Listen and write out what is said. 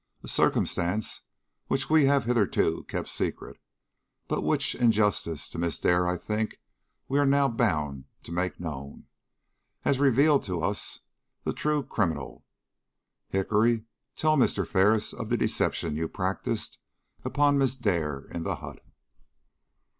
A circumstance which we have hitherto kept secret, but which in justice to Miss Dare I think we are now bound to make known, has revealed to us the true criminal. Hickory, tell Mr. Ferris of the deception you practised upon Miss Dare in the hut."